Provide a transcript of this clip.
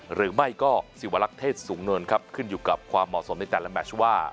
หรือไม่ก็สิวลักษณ์เทศสูงนวลครับขึ้นอยู่กับความเหมาะสมในแต่ละแมชว่า